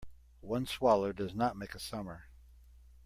One swallow does not make a summer.